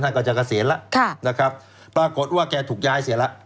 ก็จะเกษียณแล้วนะครับปรากฏว่าแกถูกย้ายเสียแล้ว